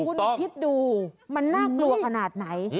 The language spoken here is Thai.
คุณคิดดูมันน่ากลัวขนาดไหน